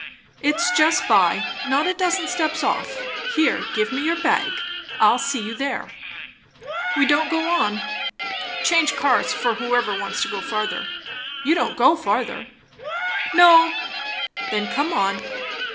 "It's just by; not a dozen steps off. Here, give me your bag I'll see you there. We don't go on; change cars, for whoever wants to go further. You don't go further?" "No." "Then come on."